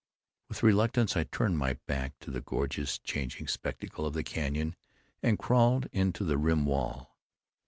With reluctance I turned my back to the gorgeously changing spectacle of the canyon and crawled in to the rim wall.